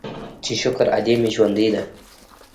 چې شکر ادې مې ژوندۍ ده.